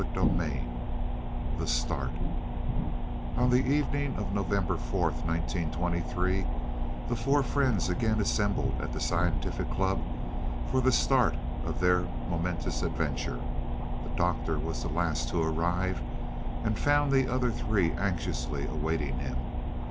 CHAPTER XII THE START On the evening of November 4th, 1923, the four friends again assembled at the Scientific Club for the start of their momentous adventure. The Doctor was the last to arrive, and found the other three anxiously awaiting him.